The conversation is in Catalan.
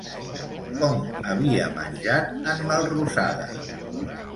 Com havia menjat en Melrosada?